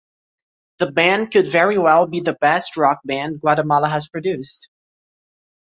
The band could very well be the best rock band Guatemala has produced.